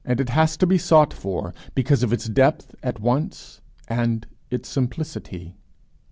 It has to be sought for because of its depth at once and its simplicity.